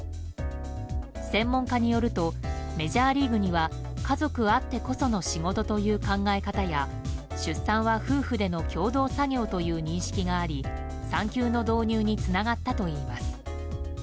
専門家によるとメジャーリーグには家族あってこその仕事という考え方や出産は夫婦での共同作業という認識があり産休の導入につながったといいます。